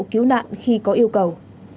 cứu nạn khi có yêu cầu